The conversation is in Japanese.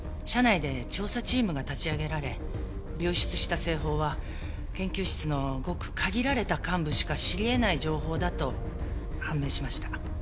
社内で調査チームが立ち上げられ流出した製法は研究室のごく限られた幹部しか知り得ない情報だと判明しました。